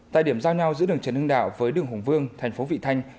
tại điểm giao nhau giữa đường trần hưng đạo với đường hùng vương thành phố vị thanh